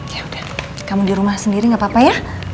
ya udah kamu di rumah sendiri gak apa apa ya